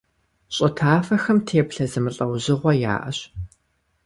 ЩӀы тафэхэм теплъэ зэмылӀэужьыгъуэ яӀэщ.